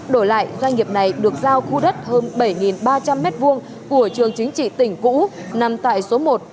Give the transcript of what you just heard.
đổi lại doanh nghiệp này được giao khu đất hơn bảy ba trăm linh m hai của trường chính trị tỉnh cũ nằm tại số một